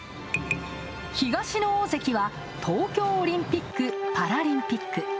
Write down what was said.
東の大関は、東京オリンピック・パラリンピック。